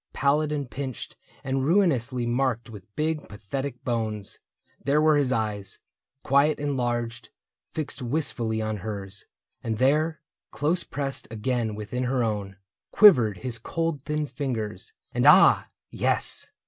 Pallid and pinched and ruinously marked With big pathetic bones; there were his eyes. Quiet and large, fixed wistfully on hers ; And there, close pressed again within her own. Quivered his cold thin fingers. And, ah ! yes.